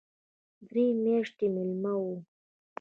درې میاشتې مېلمه وم.